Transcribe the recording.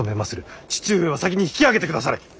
父上は先に引き揚げてくだされ。